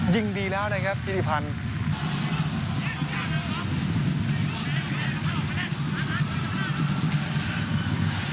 ยิ่งดีแล้วนะครับฮิติภัณฑ์